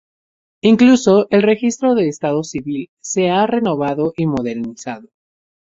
Incluso el registro de estado civil, se ha renovado y modernizado.